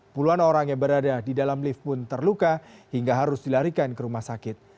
puluhan orang yang berada di dalam lift pun terluka hingga harus dilarikan ke rumah sakit